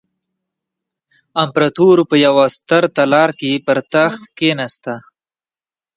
امپراتور په یوه ستر تالار کې پر تخت کېناسته.